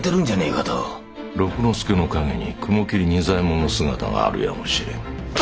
六之助の陰に雲霧仁左衛門の姿があるやもしれぬ。